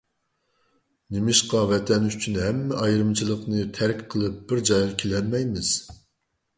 نېمىشقا ۋەتەن ئۈچۈن ھەممە ئايرىمىچىلىقنى تەرك قىلىپ بىر جايغا كېلەلمەيمىز؟!